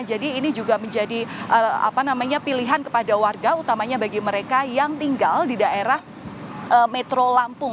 jadi ini juga menjadi apa namanya pilihan kepada warga utamanya bagi mereka yang tinggal di daerah metro lampung